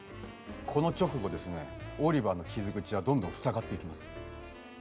この直後ですねオリバの傷口はどんどん塞がっていきます。